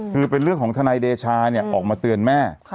คือเป็นเรื่องของทนายเดชาเนี่ยออกมาเตือนแม่